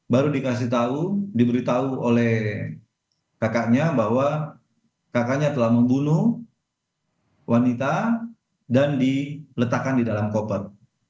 baru dikasih tahu diberitahu oleh kakaknya bahwa kakaknya telah membunuh wanita dan diletakkan di dalam koper